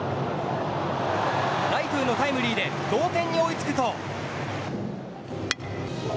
ライトへのタイムリーで同点に追いつくと。